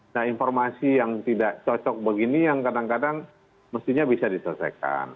nah informasi yang tidak cocok begini yang kadang kadang mestinya bisa diselesaikan